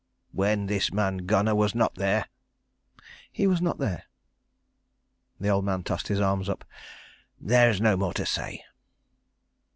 "When this man Gunnar was not there?" "He was not there." The old man tossed his arms up. "There is no more to say."